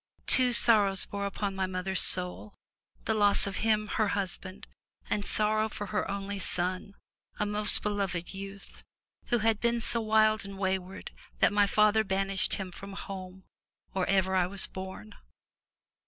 Two sorrows bore upon my mother's soul, the loss of him, her husband, and sorrow for her only son, a most beloved youth, who had been vSO wild and wayward that my father banished him from home or ever I was born.